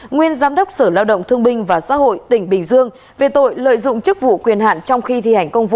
nguyên giám đốc sở lao động thương binh và xã hội tỉnh bình dương về tội lợi dụng chức vụ quyền hạn trong khi thi hành công vụ